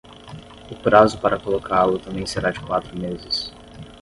O prazo para colocá-lo também será de quatro meses.